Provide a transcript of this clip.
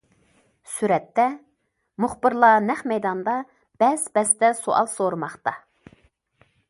سۈرەتتە: مۇخبىرلار نەق مەيداندا بەس- بەستە سوئال سورىماقتا.